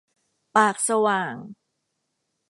ปากสว่าง